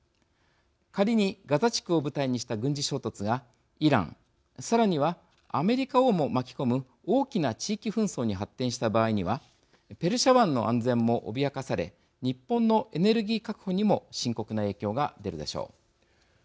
仮に、ガザ地区を舞台にした軍事衝突がイラン、さらにはアメリカをも巻き込む大きな地域紛争に発展した場合にはペルシャ湾の安全も脅かされ日本のエネルギー確保にも深刻な影響が出るでしょう。